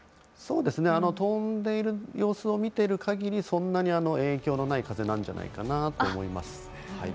飛んでいる様子を見ている限りそんなに影響のない風なんじゃないかなと思います。